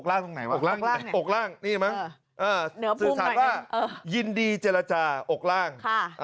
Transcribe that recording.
อ่ะเสื่อสามว่ายินดีเจรจฉาออกล่าง